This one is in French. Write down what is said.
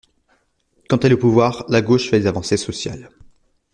Quand elle est au pouvoir, la gauche fait des avancées sociales.